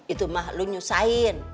itu mah lu nyusahin